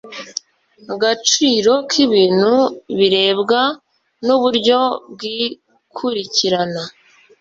gaciro k ibintu birebwa n uburyo bw ikurikirana